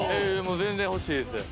全然欲しいです。